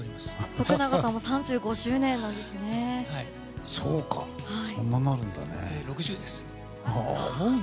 徳永さんも３５周年なんですね。